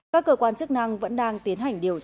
các cơ quan chức năng vẫn đang tiến hành điều tra